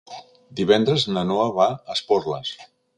Divendres na Noa va a Esporles.